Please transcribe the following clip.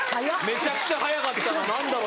めちゃくちゃ早かったな何だろ？